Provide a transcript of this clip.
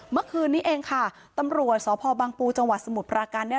เมื่อคืนนี้เองค่ะตำรวจสพบังปูจังหวัดสมุทรปราการเนี่ย